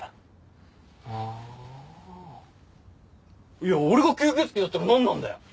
いや俺が吸血鬼だったらなんなんだよ！？